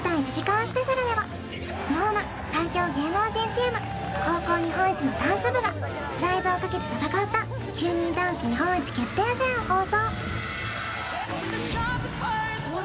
スペシャルではＳｎｏｗＭａｎ、最強芸能人チーム高校日本一のダンス部がプライドをかけて戦った、９人ダンス日本一決定戦を放送。